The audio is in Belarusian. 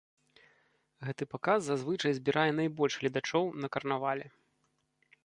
Гэты паказ зазвычай збірае найбольш гледачоў на карнавале.